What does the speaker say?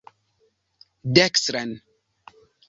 Dekstren!